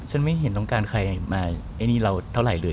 ไม่เห็นต้องการใครมาไอ้นี่เราเท่าไหร่เลย